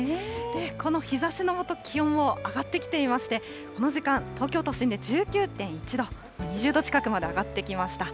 この日ざしのもと、気温も上がってきていまして、この時間、東京都心で１９．１度、２０度近くまで上がってきました。